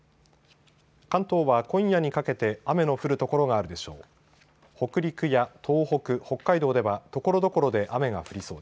関東は今夜にかけて雨の降る所があるでしょう。